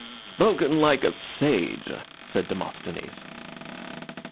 "Spoken like a sage," said Demosthenes.